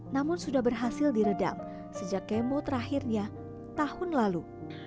namun sudah berhasil diredam sejak kemo terakhirnya tahun lalu